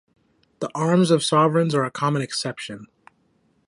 The arms of sovereigns are a common exception.